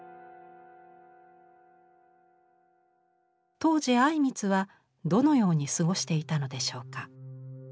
当時靉光はどのように過ごしていたのでしょうか。